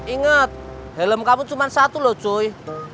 ingat helm kamu cuman satu loh cuy